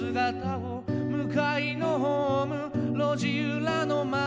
「向いのホーム路地裏の窓」